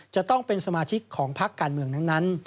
จะต้องเป็นสมาชิกของพักการเมืองทั้งนั้น